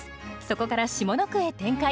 そこから下の句へ展開。